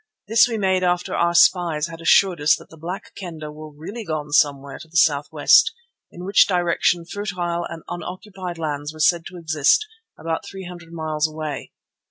This we made after our spies had assured us that the Black Kendah were really gone somewhere to the south west, in which direction fertile and unoccupied lands were said to exist about three hundred miles away.